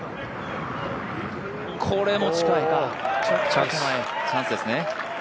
これも近いか、ちょっと手前、チャンスですね。